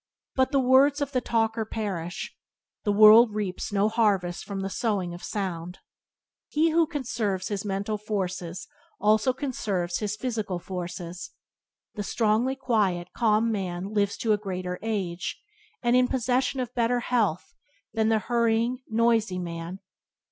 But the words of the talker perish. The world reaps no harvest from the sowing of sound. He who conserves his mental forces also conserves his physical forces. The strongly quiet, calm man lives to a greater age, and in the possession of better health than the hurrying, noisy man.